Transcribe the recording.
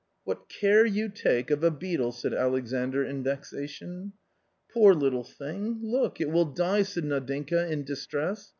" What care you take of a beetle !" said Alexandr in vexation. " Poor little thing ! look, it will die," said Nadinka, in distress.